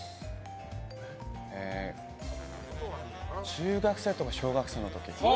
中学生とか小学生の時。